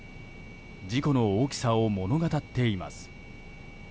事故の大きさを物語っています。